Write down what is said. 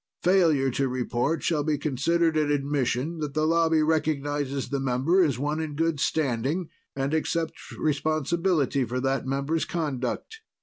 Failure to report shall be considered an admission that the Lobby recognizes the member as one in good standing and accepts responsibility for that member's conduct.